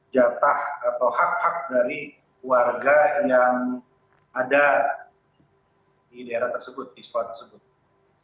jatah atau hak hak dari warga yang ada di daerah tersebut di sekolah tersebut